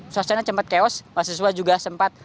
suasana sempat chaos mahasiswa juga sempat